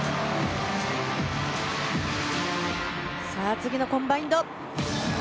次のコンバインド。